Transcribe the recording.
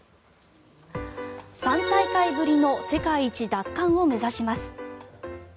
３大会ぶりの世界一奪還を目指します。